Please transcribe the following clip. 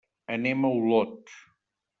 Anem a Olot.